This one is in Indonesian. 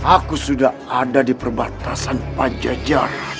aku sudah ada di perbatasan pajajar